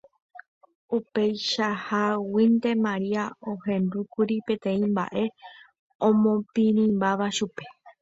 Upeichaháguinte Maria ohendúkuri peteĩ mba'e omopirĩmbáva chupe.